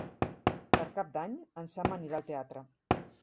Per Cap d'Any en Sam anirà al teatre.